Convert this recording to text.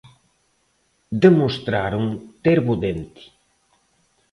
Demostraron ter bo dente.